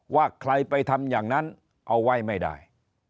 ว่าใครไปทำอย่างนั้นเอาไว้ไม่ได้